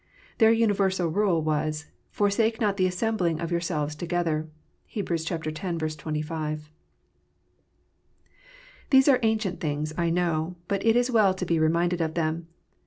Their universal rule was, " Forsake not the assembling of yourselves together." (Heb. x. 25.) These are ancient things, I know ; but it is well to be reminded of them.